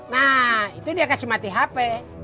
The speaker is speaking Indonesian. nah itu dia kasih mati hp